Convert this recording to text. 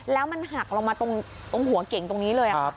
แล้วมันหักลงมาตรงหัวเก่งตรงนี้เลย